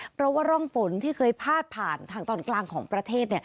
เพราะว่าร่องฝนที่เคยพาดผ่านทางตอนกลางของประเทศ